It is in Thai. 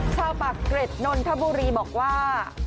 ชาวปากเกร็ดนนทบุรีบอกว่า